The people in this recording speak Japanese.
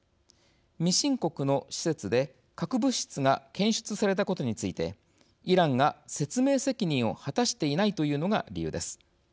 未申告の施設で核物質が検出されたことについてイランが説明責任を果たしていないというのが理由です。